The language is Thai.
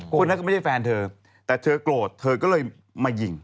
คนนั้นก็ไม่ใช่แฟนเธอแต่เธอโกรธเธอก็เลยมายิง